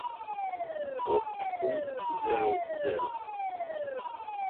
Opt punct zero zero.